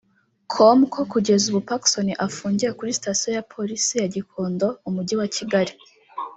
com ko kugeza ubu Pacson afungiye kuri sitasiyo ya Polisi ya Gikondo mu mujyi wa Kigali